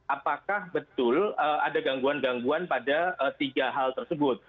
apakah betul ada gangguan gangguan pada tiga hal tersebut